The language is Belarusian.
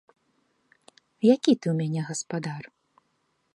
Які ты ў мяне гаспадар?